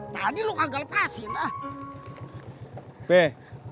tadi lu kagak lepasin lah